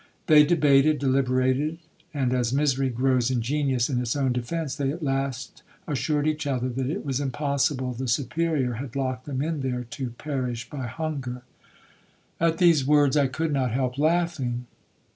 They debated, deliberated, and, as misery grows ingenious in its own defence, they at last assured each other that it was impossible the Superior had locked them in there to perish by hunger. At these words I could not help laughing.